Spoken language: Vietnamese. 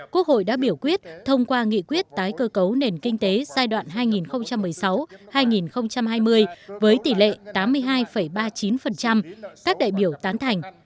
quốc hội đã biểu quyết thông qua nghị quyết tái cơ cấu nền kinh tế giai đoạn hai nghìn một mươi sáu hai nghìn hai mươi với tỷ lệ tám mươi hai ba mươi chín các đại biểu tán thành